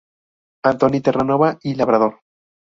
Anthony, Terranova y Labrador.